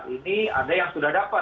berarti misalnya ada yang sudah dapat